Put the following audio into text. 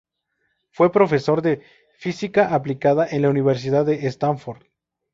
Fue profesor de Física Aplicada en la Universidad de Stanford.